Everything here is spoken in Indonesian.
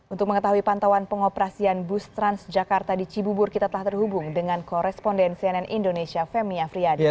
untuk mengetahui pantauan pengoperasian bus transjakarta di cibubur kita telah terhubung dengan koresponden cnn indonesia femi afriyadi